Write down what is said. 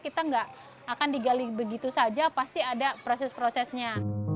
kita nggak akan digali begitu saja pasti ada proses prosesnya